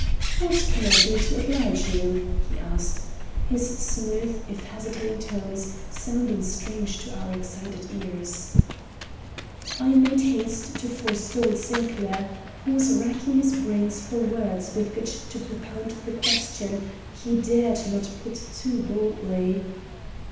"What can I do to oblige you?" he asked; his smooth, if hesitating tones, sounding strange to our excited ears. I made haste to forestall Sinclair, who was racking his brains for words with which to propound the question he dared not put too boldly.